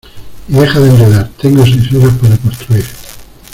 y deja de enredar. tengo seis horas para construir